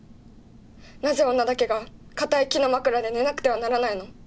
なぜ女だけがかたい木の枕で寝なくてはならないの。